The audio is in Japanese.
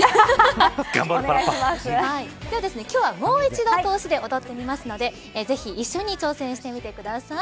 では今日は、もう一度通しで踊ってみますのでぜひ一緒に挑戦してみてください。